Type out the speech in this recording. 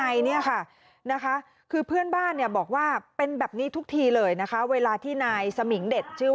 ไอนี่ค่ะนะคะพ่อบ้านแล้วบอกว่าเป็นแบบนี้ทุกทีเลยนะคะเวลาที่นายสมิงดเอเจ้า